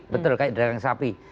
betul kayak derang sapi